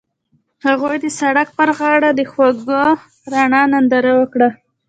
هغوی د سړک پر غاړه د خوږ رڼا ننداره وکړه.